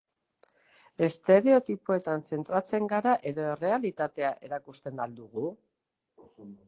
Estereotipoetan zentratzen gara edo errealitatea erakusten al dugu?